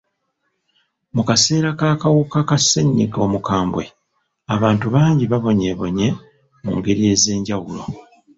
Mu kaseera k'akawuka ka ssenyiga omukambwe, abantu bangi babonyeebonye mu ngeri ez'enjawulo.